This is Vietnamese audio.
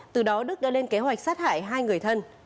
từ đó đức đã lên kế hoạch sát hại hai người thân